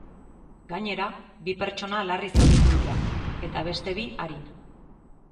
Gainera, bi pertsona larri zauritu dira, eta beste bi arin.